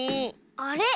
あれ？